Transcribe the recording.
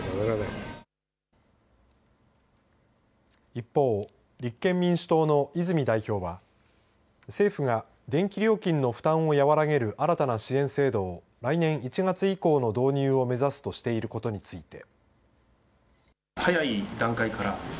一方、立憲民主党の泉代表は政府が電気料金の負担を和らげる新たな支援制度を来年１月以降の導入を目指すとしていることについて。